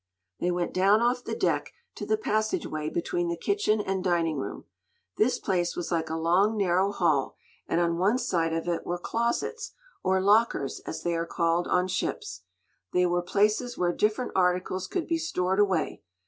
They went down off the deck, to the passageway between the kitchen and dining room. This place was like a long, narrow hall, and on one side of it were closets, or "lockers," as they are called on ships. They were places where different articles could be stored away.